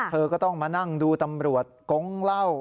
เธอก็ต้องมานั่งดูตำรวจกงเหล้า